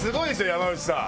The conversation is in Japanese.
山内さん。